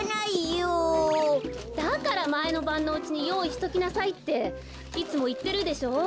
だからまえのばんのうちによういしときなさいっていつもいってるでしょう？